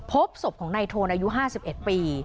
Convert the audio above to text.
พบศพของนายโทนอายุ๕๑ปี